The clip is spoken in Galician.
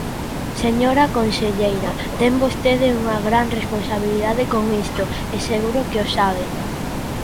Señora conselleira, ten vostede unha gran responsabilidade con isto, e seguro que o sabe.